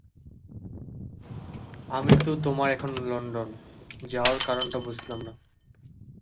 আমি তো তোমার এখন লন্ডন, যাওয়ার কারণ টা বুঝলাম না।